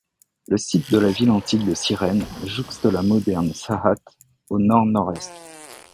Le site de la ville antique de Cyrène jouxte la moderne Shahhat, au nord-nord-est.